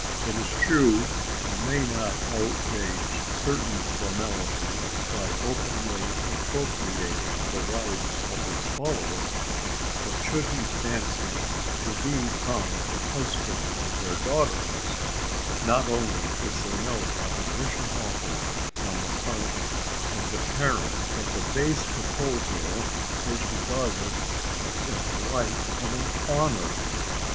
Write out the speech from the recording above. It is true he may not outrage certain formalities, by openly appropriating the wives of his followers; but should he fancy to become the husband of their daughters, not only is there no opposition offered on the part of the parent, but the base proposal is regarded in the light of an honour!